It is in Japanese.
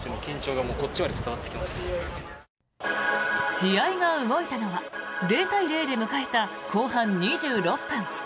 試合が動いたのは０対０で迎えた後半２６分。